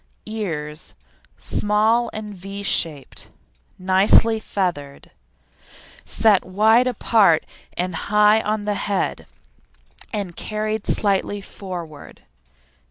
EARS Small and V shaped, nicely feathered, set wide apart and high on the head and carried slightly forward.